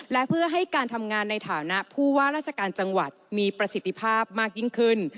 และเพื่อให้การทำงานในฐานะผู้ว่าราชการจังหวัดมีประสิทธิภาพมากยิ่งขึ้น